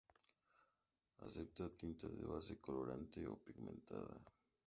Aceptan tintas de base colorante o pigmentada.